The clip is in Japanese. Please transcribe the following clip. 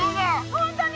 本当に？